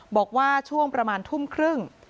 บอกว่าช่วงประมาณทุ่มครึ่ง